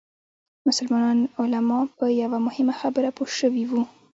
مسلمان علما په یوه مهمه خبره پوه شوي وو.